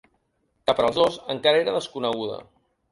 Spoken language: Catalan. Que per als dos encara era desconeguda.